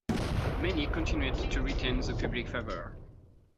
Many continued to retain the public favor.